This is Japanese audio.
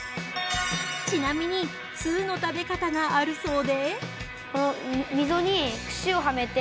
ちなみに通の食べ方があるそうで。